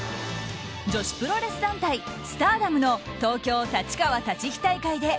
女子プロレス団体スターダムの東京・立川立飛大会で